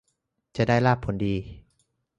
จะได้ลาภผลดี